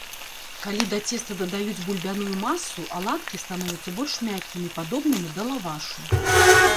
Калі да цеста дадаюць бульбяную масу, аладкі становяцца больш мяккімі, падобнымі да лавашу.